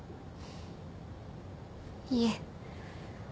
いえ。